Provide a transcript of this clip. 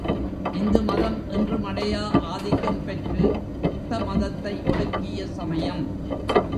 இந்து மதம் என்றுமடையா ஆதிக்கம் பெற்று புத்த மதத்தை ஒடுக்கிய சமயம்.